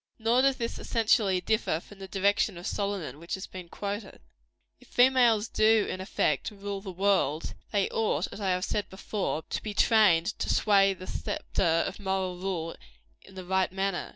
Nor does this essentially differ from the direction of Solomon, which has been quoted. If females do, in effect, rule the world, they ought, as I have before said, to be trained to sway the sceptre of moral rule in the right manner.